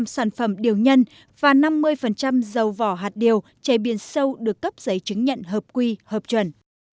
hai mươi sản phẩm điều nhân và năm mươi dầu vỏ hạt điều chế biến sâu được cấp giấy chứng nhận hợp quy hợp chuẩn